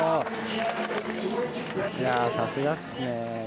いや、さすがっすね。